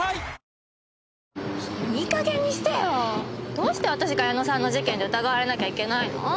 どうして私が矢野さんの事件で疑われなきゃいけないの？